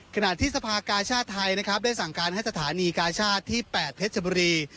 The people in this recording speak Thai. ขณะที่สภากาชาติไทยนะครับได้สั่งการให้สถานีกาชาติที่๘เพชรบุรี